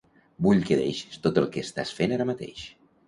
Vull que deixis tot el que estàs fent ara mateix.